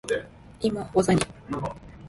今、技に…。